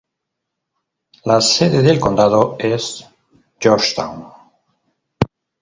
La sede del condado es Georgetown.